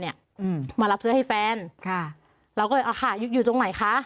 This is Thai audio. เนี้ยอืมมารับเสื้อให้แฟนค่ะแล้วก็เลยอ่าค่ะอยู่ตรงไหนคะ